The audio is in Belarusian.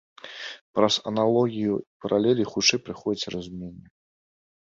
Праз аналогію і паралелі хутчэй прыходзіць разуменне.